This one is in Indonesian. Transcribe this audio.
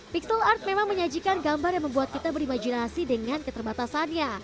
pixel art memang menyajikan gambar yang membuat kita berimajinasi dengan keterbatasannya